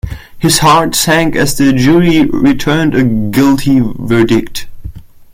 His heart sank as the jury returned a guilty verdict.